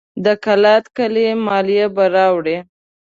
د کلات کلي مالیه به راوړي.